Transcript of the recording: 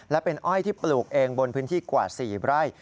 และเป็นอ้อยที่ปลูกเองบนพื้นที่กว่า๔ไร่